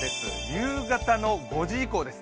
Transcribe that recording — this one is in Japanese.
夕方の５時以降です。